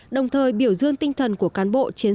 đồng thời biểu dương tinh thần của các ngư dân